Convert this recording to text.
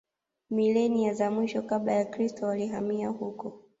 Milenia za mwisho Kabla ya Kristo walihamia huko